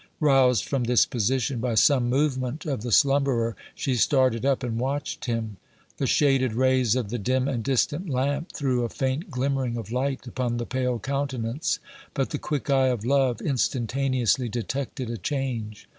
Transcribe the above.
Roused from this position by some movement of the slumberer, she started up and watched him. The shaded rays of the dim and distant lamp threw a faint glimmering of light upon the pale countenance, but the quick eye of love instantaneously detected a change.